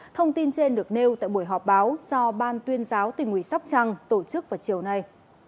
thông tin trên được nêu tại buổi họp báo do ban tuyên giáo tỉnh ủy sóc trăng tổ chức vào chiều nay